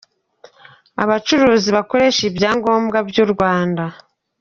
Abacuruzi bakoresha ibya ngombwa by’u Rwanda;